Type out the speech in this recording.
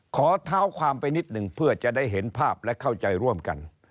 ขอเท้าความไปนิดหนึ่งเพื่อจะได้เห็นภาพและเข้าใจร่วมกัน